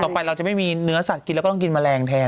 ต่อไปไม่มีเนื้อสัตว์กินแล้วก็กินแมลงแทน